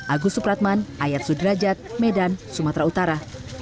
agus supratman ayat sudrajat medan sumatera utara